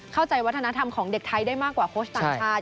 เข้าใจวัฒนธรรมของเด็กไทยได้มากกว่าโค้ชต่างชาติ